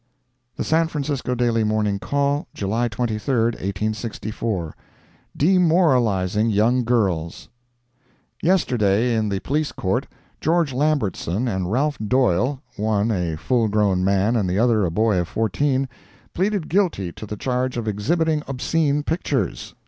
The San Francisco Daily Morning Call, July 23, 1864 DEMORALIZING YOUNG GIRLS Yesterday, in the Police Court, George Lambertson and Ralph Doyle, one a full grown man and the other a boy of fourteen, pleaded guilty to the charge of exhibiting obscene pictures.